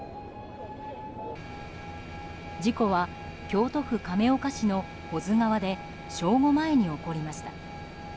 事故は京都府亀岡市の保津川で正午前に起こりました。